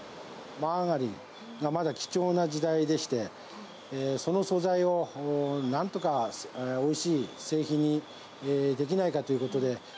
マーガリンがまだ貴重な時代でして、その素材をなんとかおいしい製品にできないかということで。